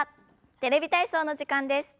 「テレビ体操」の時間です。